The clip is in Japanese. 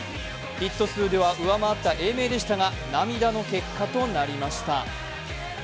ヒット数では上回った英明でしたが涙の結果となりました。